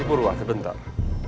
niki purwa sebentar